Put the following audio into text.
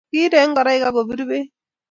Kiilegu ngoroik ako bir beek